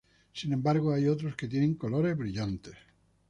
Sin embargo hay otros que tienen colores brillantes.